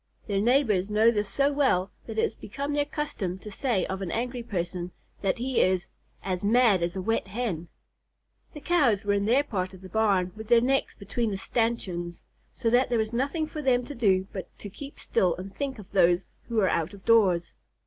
Their neighbors know this so well that it has become their custom to say of an angry person that he is "as mad as a wet Hen." The Cows were in their part of the barn with their necks between the stanchions, so there was nothing for them to do but to keep still and think of those who were out of doors.